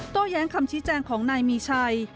โต้แย้งคำชี้แจงของนายมีชัย